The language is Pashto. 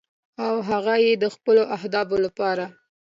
او هغه یې د خپلو اهدافو لپاره